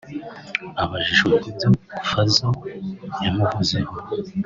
Abajijwe ku byo Fazzo yamuvuzeho